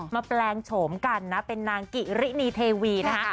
แปลงโฉมกันนะเป็นนางกิรินีเทวีนะคะ